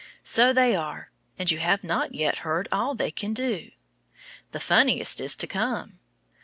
So they are, and you have not yet heard all they can do. The funniest is to come.